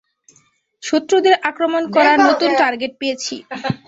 শত্রুদের আক্রমণ করার নতুন টার্গেট পেয়েছি।